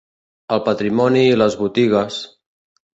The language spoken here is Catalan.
El patrimoni i les botigues